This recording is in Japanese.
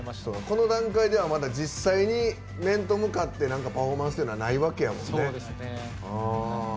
この段階ではまだ実際に面と向かって何かパフォーマンスっていうのはないわけやもんね。